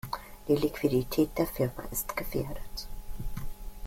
Die Liquidität der Firma ist gefährdet.